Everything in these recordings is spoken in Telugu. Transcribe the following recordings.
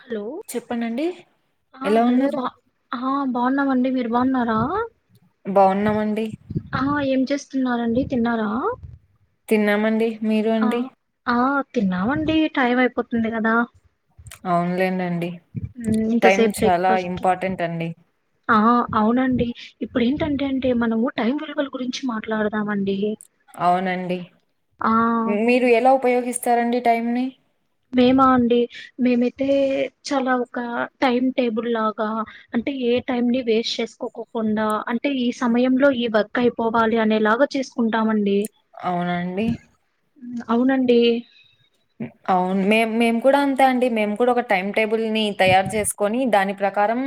హలో చెప్పనండి ఆ ఎలా హలో ఉన్నారు బా ఆ బాగున్నామండి మీరు బాగున్నార బాగున్నామండి ఆ ఏం చేస్తున్నారండి తిన్నార తిన్నామండి మీరు ఆ అండి ఆ తిన్నామండి టైం అయిపోతుంది కద అవునులే [unintelligible] ఉమ్, టైమ్ ఇంతసేపు చాల బ్రేక్ఫాస్ట్ కి ఇంపార్టెంట్ అండి ఆ అవునండి ఇప్పుడు ఏంటంటే అంటే మనము టైం విలువల గురించి మాట్లాడదామండి అవునండి ఆ మీరు ఎల ఉపయోగిస్తారండి టైంని మేమా అండి మేమైతే చాల ఒక టైమ్ టేబుల్ లాగ అంటే ఏ టైమ్ ని వేస్ట్ చేసుకోకోకుండా అంటే ఈ సమయంలో ఈ వర్క్ ఐ పోవాలి అనేలాగ చేసుకుంటామండి అవునండి అవునండి అవును మే మేము కూడా అంతే అండి మేము కూడా ఒక టైమ్ టేబుల్ ని తయారు చేసుకొని దాని ప్రకారం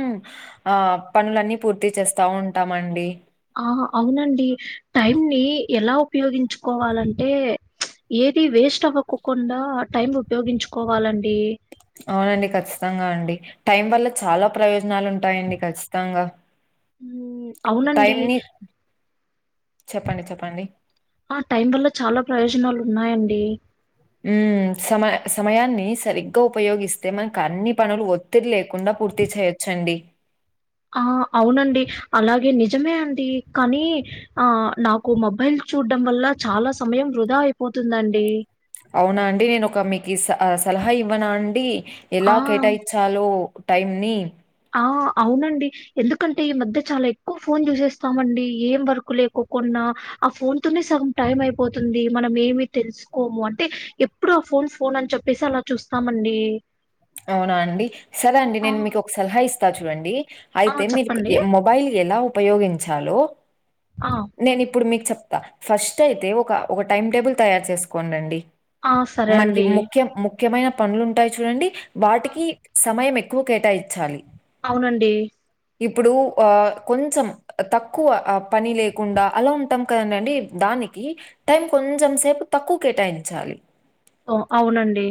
ఆ పనులన్నీ పూర్తి చేస్త ఉంటామండి ఆ అవునండి టైం ని ఎల ఉపయోగించుకోవాలంటే ఏది వేస్ట్ అవ్వకోకుండ టైం ఉపయోగించుకోవాలండి అవునండి ఖచ్చితంగ అండి టైం వల్ల చాల ప్రయోజనాలు ఉంటాయండి ఖచ్చితంగా హ్మ్. టైం అవునండి. ని చెప్పండి చెప్పండి ఆ టైం వల్ల చాల ప్రయోజనాలు ఉన్నాయండి ఉ సమయం సమయాన్ని సరిగ్గా ఉపయోగిస్తే మనకు అన్ని పనులు ఒత్తిడి లే కుండా పూర్తి చేయొచ్చండి ఆ అవునండి అలాగే నిజమే అండి కానీ ఆ నాకు మొబైల్ చూడ్డం వల్ల చాల సమయం వృధ అయిపోతుందండి అవునా అండి నేను ఒక మీకు సలహా ఇవ్వన అండి ఆ! ఎలా కేటాయిచాలో టైంని ఆ అవునండి ఎందుకంటే ఈ మధ్య చాల ఎక్కువ ఫోన్ చూసేస్తామండి ఏం వర్క్ లేకోకున్నా ఆ ఫోన్ తోనే సగ టైం అయిపోతుంది మనం ఏమి తెలుసుకోము అంటే ఎప్పుడు ఆ ఫోన్ ఫోన్ అని చెప్పేసి అలా చూస్తామండి అవు అవునా అండి సరే అండి నేను మీకు ఒక సలహా ఇస్తా చూడండి ఆ! అయితే మీ చెప్పండి. [unintelligible] మొబైల్ ఎల ఉపయోగించాలో ఆ నేను ఇప్పుడు మీకు చెప్త ఫస్ట్ అయితే ఒక ఒక టైమ్ టేబుల్ తయారు చేసుకొండి అండి ఆ! సరే మనకి అండి. ముఖ్యం ముఖ్యమైన పనులు ఉంటాయి చూడండి ఆ! వాటికి సమయం ఎక్కువ కేటాయించాలి అవునండి ఇప్పుడు ఆ కొంచెం తక్కువ పని లే [unintelligible] అలా ఉంటాం కదండండి దానికి టైం కొంచెం సేపు తక్కువ కేటాయించాలి ఓ అవునండి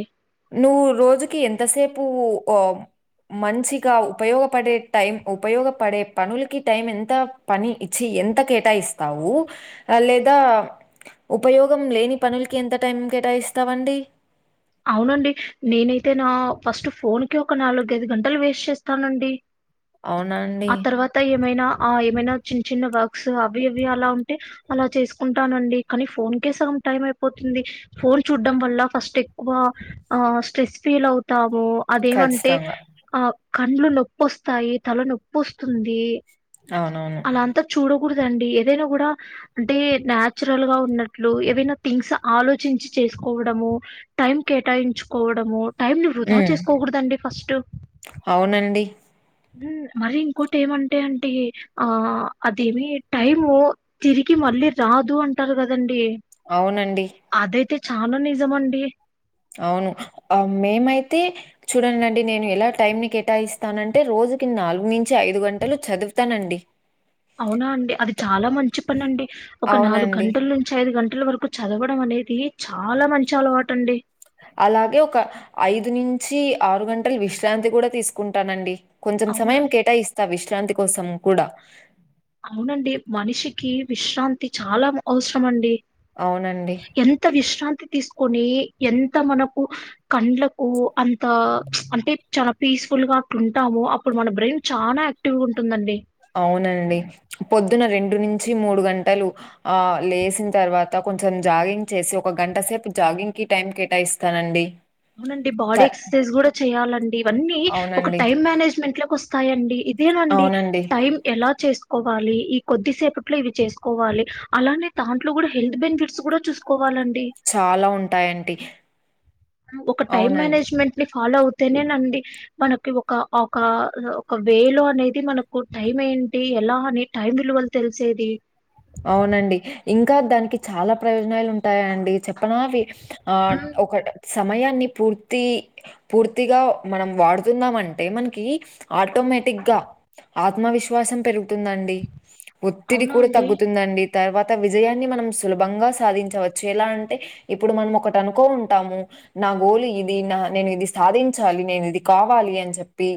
నువ్వు రోజుకి ఎంతసేపు ఆ మంచిగా ఉపయోగపడే టైం ఉపయోగపడే పనులకి టైం ఎంత పని ఇచ్చి ఎంత కేటాయిస్తావు లేదా ఉపయోగం లేని పనులకి ఎంత టైం కేటాయిస్తావండి అవునండి నేనైతే నా ఫస్ట్ ఫోన్ కి ఒక నాలుగ ఐదు గంటలు వేస్ట్ చేస్తానండి అవునా అండి? ఆ తర్వాత ఏమైనా ఆ ఏమైనా చిన్న చిన్న వర్క్స్ అవి ఇవి అలా ఉంటే అలా చేసుకుంటానండి కానీ ఫోన్కే సగం టైం అయిపోతుంది ఫోన్ చూడ్డం వల్ల ఫస్ట్ వా ఆ స్ట్రెస్ ఫీల్ అవుతాము అదేమంటే ఖచ్చితంగా. ఆ కండ్లు నొప్పొస్తాయి తల నొప్పి వస్తుంది అవునవును. అలా అంత చూడకూడదండి ఏదైనా కూడా అంటే నాచురల్ గా ఉన్నట్లు ఏవైనా థింగ్స్ ఆలోచించి చేసుకోవడము టైం కేటాయించుకోవడము టైమ్ ని వృధా హ్మ్. చేసుకోకూడదండి ఫస్ట్ అవునండి మరి ఇంకోటి ఏమంటే అంటే ఆ అదేమి టైము తిరిగి మళ్ళీ రాదు అంటారు కదండి అవునండి అదైతే చాలా నిజమండి అవును ఆ మేమైతే చూడండండి నేను ఎలా టైం ని కేటాయిస్తాను అంటే రోజుకి నాలుగు నుంచి ఐదు గంటలు చదువుతానండి అవునా అండి అది చాలా మంచి పని అండి ఒక నాలుగు అవునండి. గంటల నుంచి ఐదు గంటల వరకు చదవడం అనేది చాలా మంచి అలవాటు అండి అలాగే ఒక ఐదు నుంచి ఆరు గంటలు విశ్రాంతి కూడా తీసుకుంటానండి కొంచెం సమయం అవునండి. కేటాయిస్తా విశ్రాంతి కోసం కూడా అవునండి మనిషికి విశ్రాంతి చాలా అవసరం అండి అవునండి. ఎంత విశ్రాంతి తీసుకొని ఎంత మనకు కండ్లకు అంత అంటే చాలా పీస్ఫుల్ గా అట్ల ఉంటాము అప్పుడు మన బ్రెయిన్ చాన అక్ టివ్గ ఉంటుందండి అవునండి పొద్దున రెండు నుంచి మూడు గంటలు ఆ లేసిన తర్వాత కొంచెం జాగింగ్ చేసి ఒక గంట సేపు జాగింగ్ కి టైం కేటాయిస్తానండి అవునండి త బాడీ ఎక్సర్సైజ్ కూడా చెయాలండి ఇవన్నీ ఒక అవునండి. టైం మేనేజ్మెంట్ లోకి వస్తాయండి అదేనండి అవునండి. టైం ఎలా చేస్ కోవాలి ఈ కొద్దిసేపట్లో ఇవి చేసుకోవాలి అలానే దాంట్లో కూడా హెల్త్ బెనిఫిట్స్ కూడా చూ కోవాలండి చాలా ఉంటాయండి ఒక టైం అవునం మేనేజ్మెంట్ ని ఫాలో అవుతేనేనండి మనకి ఒక ఒక ఒక వేలో అనేది మనకు టైం ఏంటి ఎలా అని టైం విలువ తెలిసేది అవునండి ఇంకా దానికి చాలా ప్రయోజనాలు ఉంటాయా అండి చెప్పనవి ఆ ఉమ్, ఒక సమయాన్ని పూర్తి పూర్తిగా మనం వాడుతున్నమంటే మనకి ఆటోమేటిక్గా ఆత్మవిశ్వాసం పెరుగుతుందండి ఒత్తిడి అవునా కూడా అండి తగ్గు తుందండి తర్వాత విజయాన్ని మనం సులభంగా సాధించవచ్చు ఎలా అంటే ఇప్పుడు మనం ఒకటి అనుకోనుంటాము నా గోల్ ఇది నా నేను ఇది సాధించాలి నేను ఇది కావాలి అని చెప్పి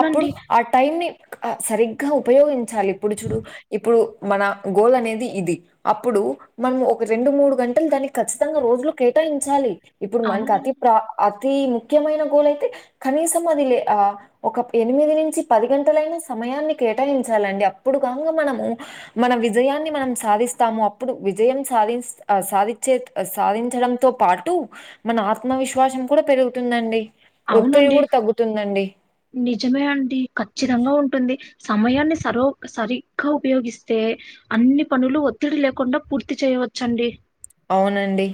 అప్పుడు ఆ టైమ్ ని ఆ సరిగ్గా ఉపయోగించాలి ఇప్పుడు చుడు ఇప్పుడు మన గోల్ అనేది ఇది అప్పుడు మనం ఒక రెండు మూడు గంటలు దాన్ని ఖచ్చితంగా రోజులో కేటాయించాలి ఇప్పుడు మన్కతి అవునండి ప్ర అతి ముఖ్యమైన గోలైతే కనీసం అది లే ఆ ఒక ఎనిమిది నించి పది గంటలైనా సమయాన్ని కేటాయించాలండి అప్పుడు కాంగ మనము మన విజయాన్ని మనం సాధిస్తాము అప్పుడు విజయం సాధి స్త్ ఆ సాదిచ్చేక్ ఆ సాధించడంతో పాటు మన ఆత్మవిశ్వాసం కుడ పెరుగుతుందండి ఒత్తిడి అవునండి కూడ తగ్గుతుందండి నిజమే అండి ఖచ్చితంగ ఉంటుంది సమయాన్ని సరో సరిగ్గా ఉపయోగిస్తే అన్ని పనులు ఒత్తిడి లేకుండా పూర్తి చేయవచ్చండి అవునండి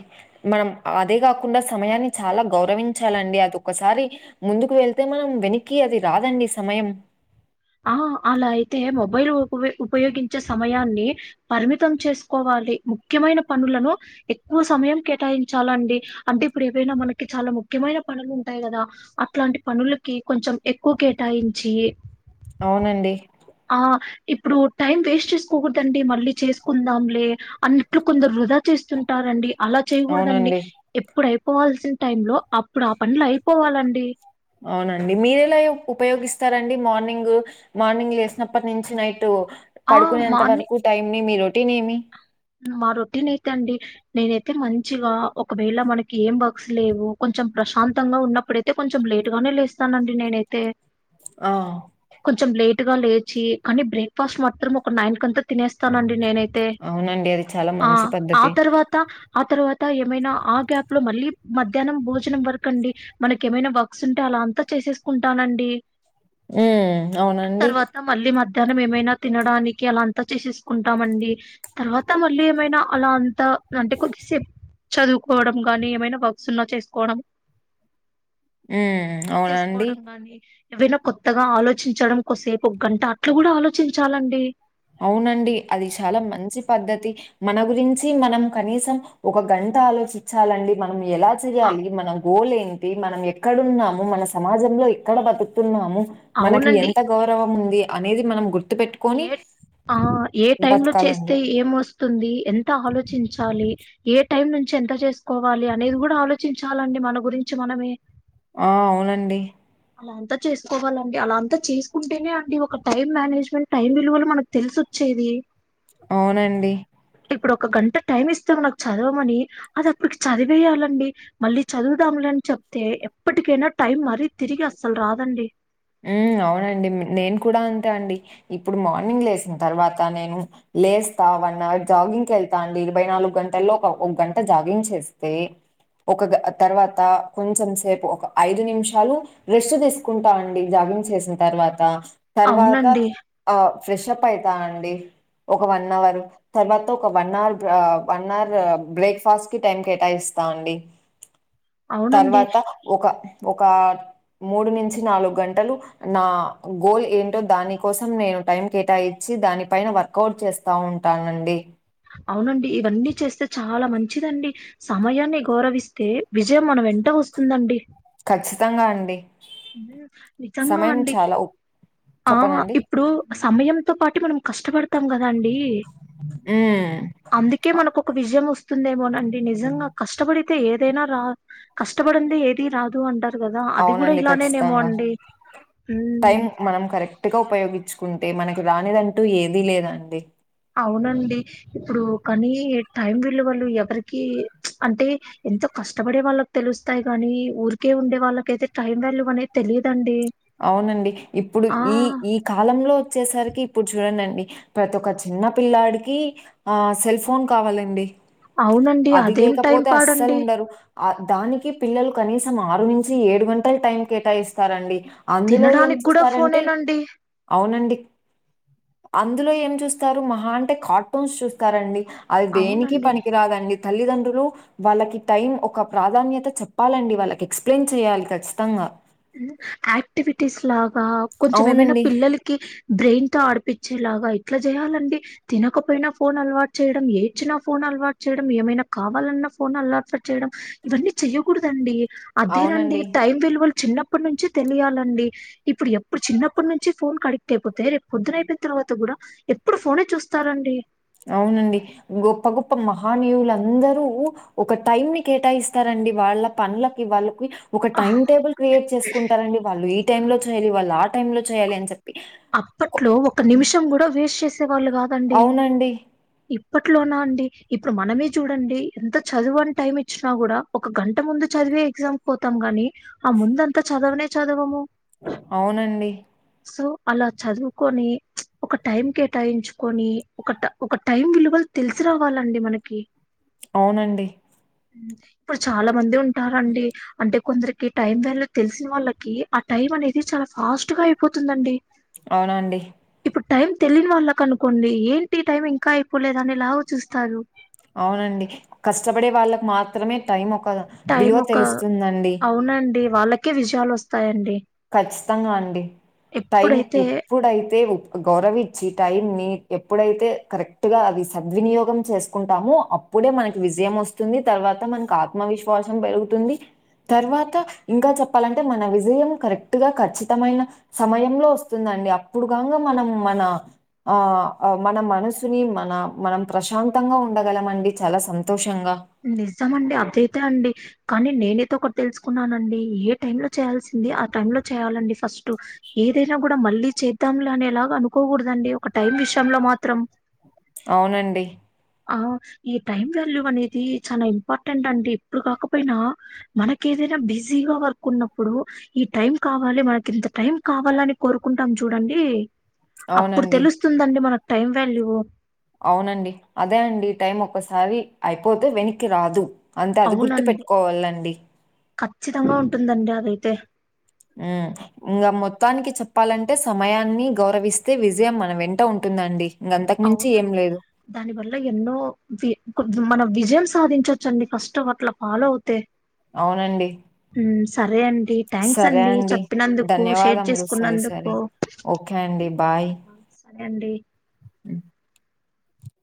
మనం అదే గాకుండా సమయాన్ని చాలా గౌరవించాలండి అది ఒక్కసారి ముందుకు వెళ్తే మనం వెనక్కి అది రాదండి సమయం ఆ అలా అయితే మొబైల్ ఉపవే ఉపయోగించే సమయాన్ని పర్మితం చేస్కోవాలి ముఖ్యమైన పనులను ఎక్కువ సమయం కేటాయించాలండి అంటే ఇప్పుడు ఏవైనా మనకి చాలా ముఖ్యమైన పనులు ఉంటాయ్ గదా అట్లాంటి పనులకి కొంచెం ఎక్కువ కేటాయించి అవునండి ఆ ఇప్పుడు టైం వేస్ట్ చేస్కోకూడండి మళ్ళీ చేస్కుందాంలే అన్నట్లు కొందరు వృధా చేస్తుంటారండి అలా చేయ్ గూడ్దండి అవునండి. ఎప్పుడు అయిపోవల్సిన టైం లో అప్పుడు ఆ పండ్లైపోవాలండి అవునండి మీరెలయో ఉపయోగిస్తారండి మార్నింగు మార్నింగ్ లేసినప్పట్నించి నైటు ఆ పడుకునేంత మార్ని వరకు టైం ని మీ రొటీన్ ఏమి మా రోటీనైతే అండి నేనైతే మంచిగా ఒకవేళ మనకి ఏం బాక్సుల్లేవు కొంచెం ప్రశాంతంగా ఉన్నప్పుడే తే కొంచెం లేటు గానే లేస్తానండి నేనైతే ఆ కొంచెం లేటు గా లేచి కానీ బ్రేక్ఫాస్ట్ మాత్రం ఒక నైన్ కంతా తినేస్తానండి నేనైతే అవునండి అది చాలా ఆ మంచి ఆ పద్ధతి. తర్వాత ఆ తర్వాత ఏమైనా ఆ గ్యాప్ లో మళ్ళీ మధ్యానం భోజనం వరకండి మనకేమైనా వర్క్సుంటే అలా అంతా చేసేస్కుంటానండి ఊ అవునండి త మళ్ళీ మధ్యానం ఏమైనా తినడానికి అలా అంతా చేసేస్కుంటామండి తర్వా త మళ్ళీ ఏమైనా అలా అంత రంటే కొద్దిసేప్ చదువుకోవడం గాని ఏమైనా వర్క్స్ ఉన్నా చేస్కోవడం ఉ అవున అండి అండి ఏవైనా కొత్తగా ఆలోచించడం కొస్సేపు ఒగ్గంట అట్ల గూడ ఆలోచించాలండి అవునండి అది చాలా మంచి పద్ధతి మన గురించి మనం కనీసం ఒక గంట ఆలోచిచ్చాలండి మనం ఎలా అ చెయ్యాలి మనం గోలేం టి మనం ఎక్కడున్నాము మన సమాజంలో ఎక్కడ బతుక్తున్నాము మనకి అవునండి. ఎంత గౌరవం ఉంది అనేది మనం గుర్తు పెట్టు ఏ ఆ ఏ టైమ్ లో చేస్తే బతకాలండి. ఏం వస్తుంది ఎంత ఆలోచించాలి ఏ టైం నుంచి ఎంత చేసుకోవాలి అనేది గూడ ఆలోచించాలండి మన గురించి మనమే ఆ అవునండి అలా అంత చేసుకోవాలండి అలా అంతా చేసుకుంటేనే అండి ఒక టైం మేనేజ్మెంట్ టైం విలువలు మనకు తెలిసొచ్చేది అవునండి ఇప్పుడు ఒక గంట టైమ్ ఇస్త మనకు చదవమని అదప్పుడు చదివేయాలండి మళ్ళీ చదువుదాంలేని చెప్తే ఎప్పటికైనా టైం మరీ తిరిగి అస్సలు రాదండి ఉమ్ అవునండి నేను కూడ అంతే అండి, ఇప్పుడు మార్నింగ్ లేసిన్తర్వాత నేను లేస్త వన్ అవర్ జాగింగ్కి కెళ్తా అండి ఇరవై నాలుగు గంటల్లో ఒక ఒక గంట జాగింగ్ చేస్తే ఒక గ తర్వాత కొంచెం సేపు ఒక ఐదు నిమిషాలు రెస్ట్ తీసుకుంటా అండి జాగింగ్ చేసిన తర్వాత తర్వాత అవునండి ఆ ఫ్రెష్ అప్ అయితా అండి ఒక వన్ అవర్ తర్వాత ఒక వన్ అవర్ ఆ వన్ అవర్ బ్రేక్ఫాస్ట్ కి టైం కేటాయిస్తా అండి అవునండి తర్వాత ఒక ఒకా మూడు నుంచి నాలుగు గంటలు నా గోల్ ఏంటో దాని కోసం నేను టైం కేటాయించి దానిపైన వర్కౌట్ చేస్ తా ఉంటానండి అవునండి ఇవన్నీ చేస్తే చాలా మంచిదండి సమయాన్ని గౌరవిస్తే విజయం మన వెంట వస్తుందండి ఖచ్చితంగా అండి ఉమ్ నిజంగా సమయం అండి చాలా ఉ ఆ చెప్పనండి ఇప్ ప్పుడు సమయంతో పాటె మనం కష్టపడతాం కదా అండి ఉమ్ అందుకే మనకు ఒక విజయం వస్తుందేమోనండి నిజంగా కష్టపడితే ఏదైనా రా కష్టపడందే ఏది రాదు అంటరు గదా అది గూడ ఇప్ అవునండి ట్లనేనేమో ఖచ్చితంగా అండి టైం మనం కరెక్ట్ ట్టుగ ఉపయోగించుకుంటే మనకి రానిదంటూ ఏది లేదండి అవునండి ఇప్పుడు కనీ టైం విలువలు ఎవరికీ అంటే ఎంతో కష్టపడే వాళ్ళకి తెలుస్తాయి గనీ ఊరికే ఉండే వాళ్ళకయితే టైం వాల్యూ అనేది తెలియదండి అవునండి ఇప్పుడు ఈ ఈ కాలంలో వచ్చేసరికి ఇప్పుడు చూడండండి ప్రతి ఒక్క చిన్న పిల్లాడికీ ఆ సెల్ ఫోన్ కావాలండి, అవునండి అది అదేం టైం లేకపోతే అస్సలు పాడండి ఉండరు ఆ దానికి పిల్లలు కనీసం ఆరు నుంచి ఏడు గంటల్ టైం కేటాయిస్తారండి అందులో ఏం తినడానికి కూడా చూస్తారంటే ఫోనేనండి అవునండి అందులో ఏం చూస్తారు మహా అంటే కార్టూన్స్ చూస్తారండి అది దేనికి అవునండి పనికిరాదండి తల్లిదండ్రులు వాళ్ళకి టైం ఒక ప్రాధాన్యత చెప్పాలండి వాళ్ళకె క్స్ప్లెయిన్ చెయాలి ఖచ్చితంగా ఉమ్ యాక్టివిటీస్ లాగా కొంచెం ఏమైనా అవునండి. పిల్లలక్ కి బ్రెయిన్ తో ఆడిపిచ్చేలాగా ఇట్ల జేయాలండి తినకపోయినా ఫోన్ అలవాటు చేయడం, ఏడ్చినా ఫోన్ అలవాటు చేయడం, ఏమైనా కావాలన్నా ఫోన్ అలవాట్ల చేయడం ఇవన్నీ చెయ్యకూడదండి అదేనండి అవునండి. టైం విలువలు చిన్నప్పటి నుంచి తెలియాలండి ఇప్పుడు ఎప్పుడు చిన్నప్పటి నుంచి ఫోన్ కడిక్ట్ అయిపోతే రేపు పొద్దున అయిపోన్ తర్వాత గూడా ఎప్పుడు ఫోనే చూస్తారండి అవునండి గొప్ప గొప్ప మహానీయులందరూ ఒక టైమ్ ని కేటాయిస్తారండి వాళ్ళ పనులకి వాళ్ళకి ఒక టైమ్ టేబుల్ క్రియేట్ చేసుకుంటారండి వాళ్ళు ఈ టైం లో చేయాలి వాళ్ళు ఆ టైం లో చేయాలి అని చెప్పి కొ అప్పట్లో ఒక నిమిషం కూడా వేస్ట్ చేసేవాళ్ళు కాదండి అవునండి. ఇప్పట్లోనా అండి ఇప్పుడు మనమే చూడండి ఎంత చదువు అని టైం ఇచ్చినా కూడా ఒక గంట ముందు చదివే ఎగ్జామ్ పోతాం గాని ఆ ముందంతా చదవనే చదవము అవునండి సో అలా చదువుకొని ఒక టైం కేటాయించుకొని ఒక ఒక టైం విలువ తెలిసి రావాలండి మనకి అవునండి ఇప్పుడు చాలా మంది ఉంటారండి అంటే కొందరికి టైం వాల్యూ తెలిసిన వాళ్ళకి ఆ టైం అనేది చాలా ఫాస్ట్ గా అయిపోతుందండి అవునండి ఇప్పుడు టైం తెలియని వాళ్ళకి అనుకోండి ఏంటి టైం ఇంకా అయిపోలేదు అని లాగా చూస్తారు అవునండి కష్టపడే వాళ్ళకి మాత్రమే టైం ఒక టైం విలువ ఒక తెలుస్తుందండి. అవునండి వాళ్ళకే విజయాలు వస్తాయండి ఖచ్చితంగా అండి టైం ఎప్పుడైతే ఎప్పుడైతే గౌరవం ఇచ్చి టైమ్ ని ఎప్పుడైతే కరెక్ట్ గా అవి సద్వినియోగం చేసుకుంటామో అప్ అప్పుడే మనకి విజయం వస్తుంది తర్వాత మనకు ఆత్మవిశ్వాసం పెరుగుతుంది తర్వాత ఇంకా చెప్పాలంటే మన విజయం కరెక్ట్ గా ఖచ్చితమైన సమయంలో వస్తుందండి అప్పుడు కాని మనం మన ఆ మన మనసుని మన మనం ప్రశాంతంగా ఉండగలం అండి చాలా సంతోషంగా నిజంమండి అదయితే అండి కానీ నేనైతే ఒకటి తెలుసుకున్నానండి ఏ టైమ్ లో చేయాల్సింది ఆ టై లో చేయాలండి ఫస్ట్ ఏదైనా కూడా మళ్ళీ చేద్దాంలే అనేలాగ అనుకోకూడదండి ఒక టైం విషయంలో మాత్రం అవునండి ఆ ఈ టైమ్ వాల్యూ అనేది చాలా ఇంపార్టెంట్ అండి ఇప్పుడు కాకపోయినా మనక ఏదైనా బిజీగా వర్క్ ఉన్నప్పుడు ఈ టైం కావాలి మనకి ఇంత టైం కావాలని కోరుకుంటాం చూడండి అప్పుడు అవునండి. తెలుస్తుందండి మనకు టైం వాల్యూ అవునండి అదే అండి టైం ఒకసారి అయిపోతే వెనక్కి రాదు అంతే అది అవునండి గుర్తుపెట్టుకోవాలండి ఖచ్చితంగా ఉంటుందండి అదైతే హ్మ్ ఇంకా మొత్తానికి చెప్పాలంటే సమయాన్ని గౌరవిస్తే విజయం మన వెంట ఉంటుందండి ఇంగ అంతకు మించి ఏం అవునండి లేదు. దాని వల్ల ఎన్నో వి మనం విజయం సాధించొచ్చండి ఫస్ట్ అట్లా ఫాలో అవుతే అవునండి హ్మ్ సరే అండి థ్యాంక్స్ అండి చెప్పినందుకు షేర్ ధన్యవాదములు. సరే, సరే. చేసుకున్నందుకు ఓకే అండి బాయ్ సరే అండి హ్మ్.